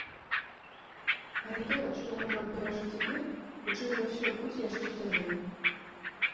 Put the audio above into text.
Але тое, што яму трэба перажыць цяпер, хутчэй за ўсё, будзе яшчэ цяжэй.